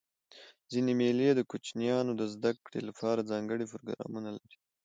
ځيني مېلې د کوچنيانو د زدهکړي له پاره ځانګړي پروګرامونه لري.